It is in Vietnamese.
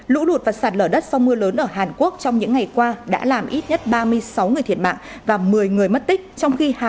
lũ lụt và sạt lở đất sau mưa lớn ở hàn quốc trong những ngày qua đã làm ít nhất ba mươi sáu người thiệt mạng và một mươi người mất tích trong khi